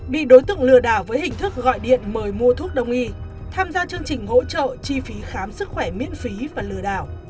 bị đối tượng lừa đảo với hình thức gọi điện mời mua thuốc đông y tham gia chương trình hỗ trợ chi phí khám sức khỏe miễn phí và lừa đảo